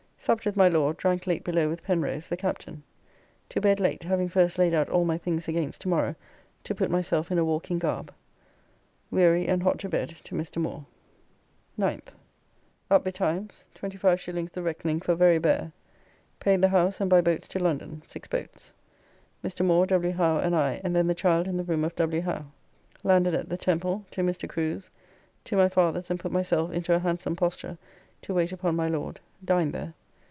Supped with my Lord, drank late below with Penrose, the Captain. To bed late, having first laid out all my things against to morrow to put myself in a walking garb. Weary and hot to bed to Mr. Moore. 9th. Up betimes, 25s. the reckoning for very bare. Paid the house and by boats to London, six boats. Mr. Moore, W. Howe, and I, and then the child in the room of W. Howe. Landed at the Temple. To Mr. Crew's. To my father's and put myself into a handsome posture to wait upon my Lord, dined there.